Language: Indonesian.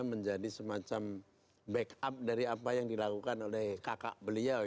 menjadi semacam backup dari apa yang dilakukan oleh kakak beliau